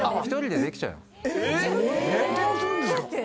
どうするんですか？